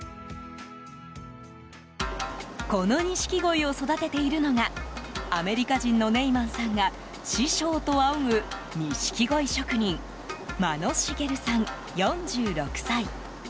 この錦鯉を育てているのがアメリカ人のネイマンさんが師匠と仰ぐ錦鯉職人間野茂さん、４６歳。